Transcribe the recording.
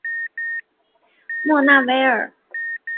莫纳维尔。